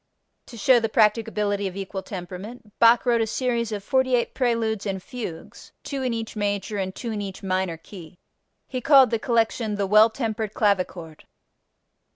To show the practicability of equal temperament Bach wrote a series of 48 preludes and fugues, two in each major and two in each minor key. He called the collection "The Well tempered Clavichord."